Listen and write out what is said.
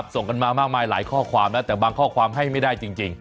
ส่งกันมามากมายหลายข้อความนะแต่บางข้อความให้ไม่ได้จริง